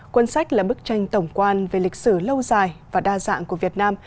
cuốn sách là bức tranh tổng quan về lịch sử lâu dài và đa dạng của việt nam